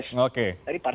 dari partai golkar